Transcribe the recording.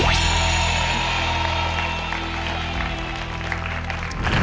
โอ้โห